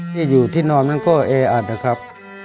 ที่อยู่ที่นอนมันก็แออัดนะครับ